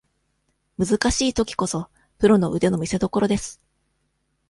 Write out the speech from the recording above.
むずかしいときこそ、プロの腕の見せ所です。